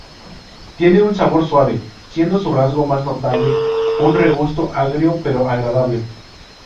Tiene un sabor suave, siendo su rasgo más notable un regusto agrio pero agradable.